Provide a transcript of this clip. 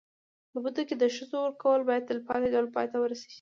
په بدو کي د ښځو ورکول باید تلپاتي ډول پای ته ورسېږي.